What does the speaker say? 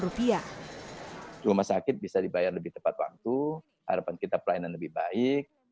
rumah sakit bisa dibayar lebih tepat waktu harapan kita pelayanan lebih baik